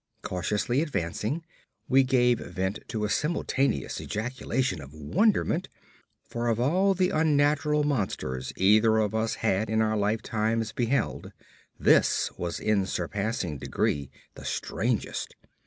Cautiously advancing, we gave vent to a simultaneous ejaculation of wonderment, for of all the unnatural monsters either of us had in our lifetimes beheld, this was in surpassing degree the strangest.